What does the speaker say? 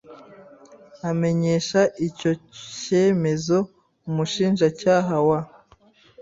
amenyesha icyo cyemezo Umushinjacyaha wa